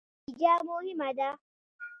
نتیجه مهمه ده